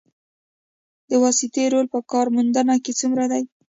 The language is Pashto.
د واسطې رول په کار موندنه کې څومره دی؟